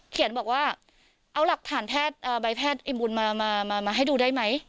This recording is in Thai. เขียนบอกว่าเอาหลักฐานแพทย์ใบแพทย์เอ็มบุญมาให้ดูได้ไหม